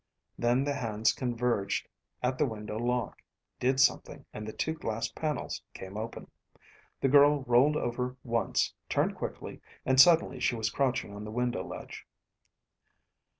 Then the hands converged at the window lock, did something, and the two glass panels came open. The girl rolled over once, turned quickly, and suddenly she was crouching on the window ledge.